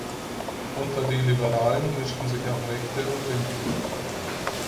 Unter die Liberalen mischten sich auch Rechte und Linke.